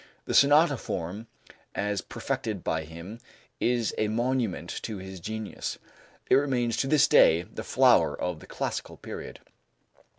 The sonata form, as perfected by him, is a monument to his genius. It remains to this day the flower of the classical period.